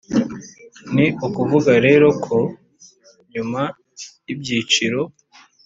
ni ukuvuga rero ko nyuma y’ibyiciro